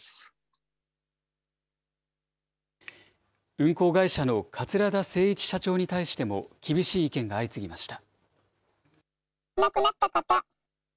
運航会社の桂田精一社長に対しても厳しい意見が相次ぎました。